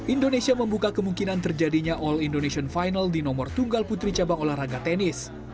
indonesia membuka kemungkinan terjadinya all indonesian final di nomor tunggal putri cabang olahraga tenis